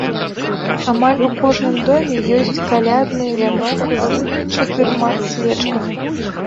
Амаль у кожным доме ёсць калядны вянок з чатырма свечкамі.